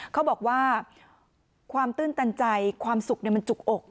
เขาบอกว่าความตื้นตันใจความสุขมันจุกอก